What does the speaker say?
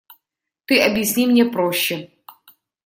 Ты объясни мне проще.